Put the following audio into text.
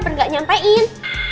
biar gak nyampein